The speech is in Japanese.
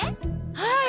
はい。